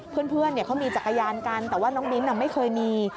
เพื่อนเขามีจักรยานกันแต่ว่าน้องมิ้นไม่เคยมี